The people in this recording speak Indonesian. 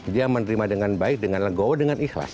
dia menerima dengan baik dengan legowo dengan ikhlas